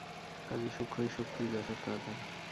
কাজেই সূক্ষ্মই শক্তির যথার্থ আধার।